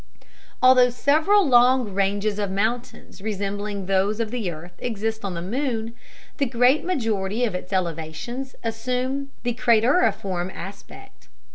Although several long ranges of mountains resembling those of the earth exist on the moon, the great majority of its elevations assume the crateriform aspect.